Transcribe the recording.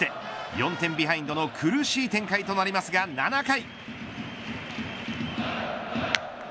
４点ビハインドの苦しい展開となりますが、７回。